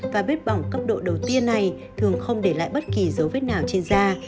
và bếp bỏng cấp độ đầu tiên này thường không để lại bất kỳ dấu vết nào trên da